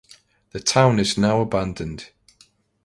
The town is now abandoned.